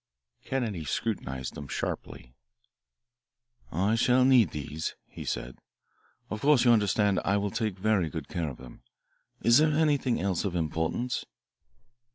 Kennedy scrutinised them sharply. "I shall need these," he said. "Of course you understand I will take very good care of them. Is there anything else of importance?"